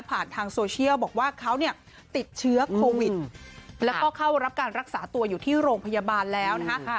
ทางโซเชียลบอกว่าเขาเนี่ยติดเชื้อโควิดแล้วก็เข้ารับการรักษาตัวอยู่ที่โรงพยาบาลแล้วนะคะ